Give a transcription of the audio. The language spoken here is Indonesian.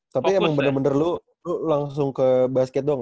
tapi emang bener bener lu lo langsung ke basket doang